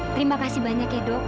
terima kasih banyak ya dok